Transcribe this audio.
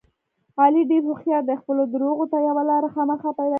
علي ډېر هوښیار دی خپلو درغو ته یوه لاره خامخا پیدا کوي.